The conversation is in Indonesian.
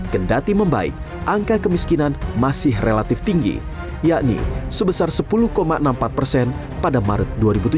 kendati membaik angka kemiskinan masih relatif tinggi yakni sebesar sepuluh enam puluh empat persen pada maret dua ribu tujuh belas